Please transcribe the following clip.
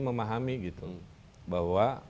memahami gitu bahwa